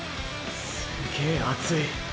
すげぇ熱い。